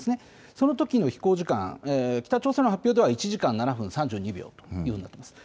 そのときの飛行時間、北朝鮮の発表では１時間７分３２秒ということです。